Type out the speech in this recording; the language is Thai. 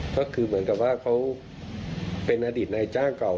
ก็คือเหมือนกับว่าเขาเป็นอดีตนายจ้างเก่า